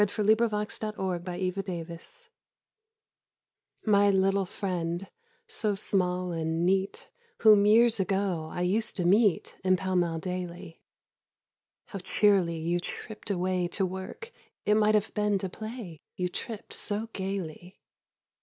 THE PILGRIMS OF PALL MALL My little Friend, so small and neat, Whom years ago I used to meet In Pall Mall daily; How cheerily you tripp'd away To work, it might have been to play, You tripp'd so gaily.